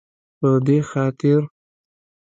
په دې خاطر